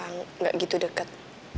belum gak begitu dekat